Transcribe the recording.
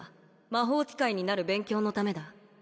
魔法使いになる勉強のためだ